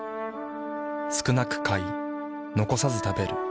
少なく買い残さず食べる。